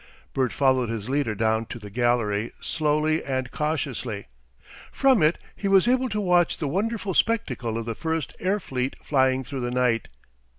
Bert followed his leader down to the gallery slowly and cautiously. From it he was able to watch the wonderful spectacle of the first air fleet flying through the night.